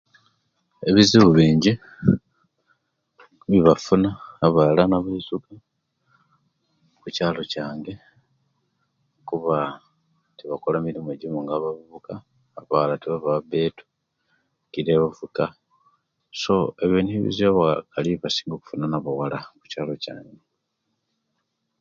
Ebizibu bingi ebafuna abala na baisuka kukyalo kyange kuba tebakola emirimu jimu nga abavubuka abawala tebabawa betu nga abavubuka so ebyo'nibyo ebizibu abakali okufuna nabawala kukyaalo kyange